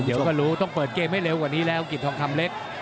เดี๋ยวก็รู้ต้องเปิดเกมให้เร็วกว่านี้แล้วกิจทองคำเล็ก